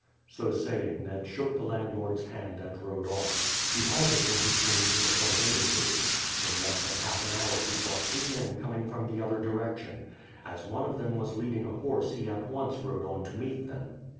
So saying Ned shook the landlord's hand and rode off. He halted when he came to the point indicated. In less than half an hour he saw three men coming from the other direction. As one of them was leading a horse he at once rode on to meet them.